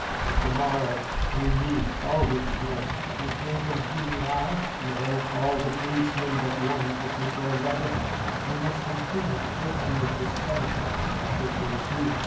But to morrow, through me, all will be known." "Have you told them who you are?" "No; all the policemen but one took me for a vagabond." "You must continue to personate this character." "What good will it do?